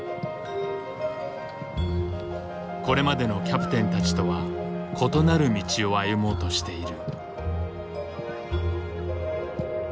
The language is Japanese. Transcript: これまでのキャプテンたちとは異なる道を歩もうとしている。